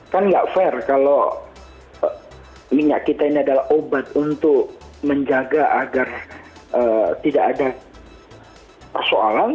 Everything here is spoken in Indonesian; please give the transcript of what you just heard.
kan nggak fair kalau minyak kita ini adalah obat untuk menjaga agar tidak ada persoalan